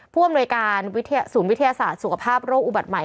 ผู้อำนวยการศูนย์วิทยาศาสตร์สุขภาพโรคอุบัติใหม่